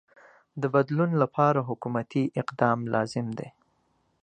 د بدلون لپاره حکومتی اقدام لازم دی.